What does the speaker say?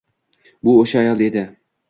Bu o‘sha ayol edi!